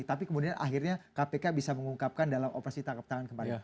tapi kemudian akhirnya kpk bisa mengungkapkan dalam operasi tangkap tangan kemarin